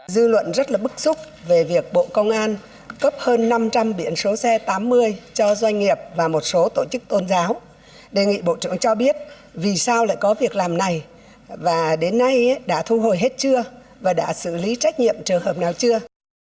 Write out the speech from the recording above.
dư luận rất là bức xúc về việc bộ công an cấp hơn năm trăm linh biển số xe tám mươi cho doanh nghiệp và một số tổ chức tôn giáo đề nghị bộ trưởng cho biết vì sao lại có việc làm này và đến nay đã thu hồi hết chưa và đã xử lý trách nhiệm trường hợp nào chưa